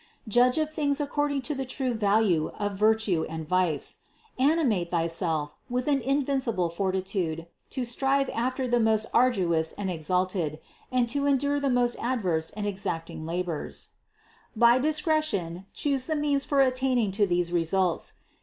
Judge of things according to the true value of virtue and vice. Animate thyself with an in vincible fortitude to strive after the most arduous and ex alted, and to endure the most adverse and exacting labors. THE CONCEPTION 475 By discretion choose the means for attaining to these re sults.